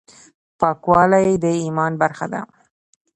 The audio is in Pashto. پاکوالی د ایمان برخه ده.